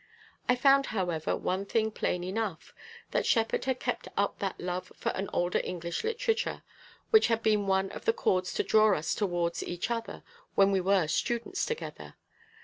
I found, however, one thing plain enough, that Shepherd had kept up that love for an older English literature, which had been one of the cords to draw us towards each other when we were students together.